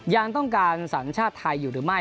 ยังต้องการสัญชาติไทยอยู่หรือไม่